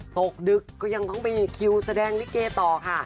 ตกดึกก็ยังต้องไปคิวแสดงลิเกต่อค่ะ